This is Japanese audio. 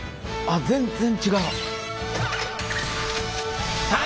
あっ全然違う。